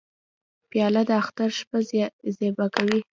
پیاله د اختر شپه زیبا کوي.